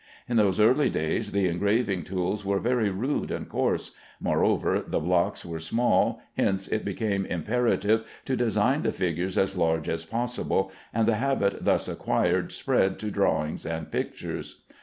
In those early days the graving tools were very rude and coarse; moreover, the blocks were small, hence it became imperative to design the figures as large as possible; and the habit thus acquired spread to drawings and pictures.